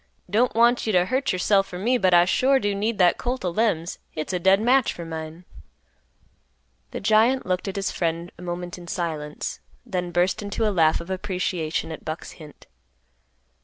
Don't want you t' hurt yourself for me, but I sure do need that colt o' Lem's; hit's a dead match for mine." The giant looked at his friend a moment in silence, then burst into a laugh of appreciation at Buck's hint.